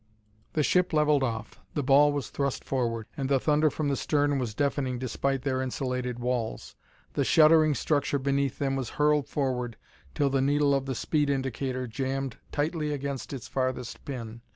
The ship levelled off; the ball was thrust forward, and the thunder from the stern was deafening despite their insulated walls. The shuddering structure beneath them was hurled forward till the needle of the speed indicator jammed tightly against its farthest pin.